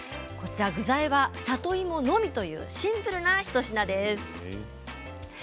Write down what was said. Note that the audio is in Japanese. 具材は里芋のみというシンプルな一品です。